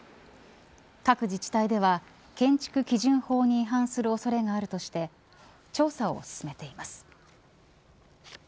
各自治体では建築基準法に違反する恐れがあるとして調査を進めています。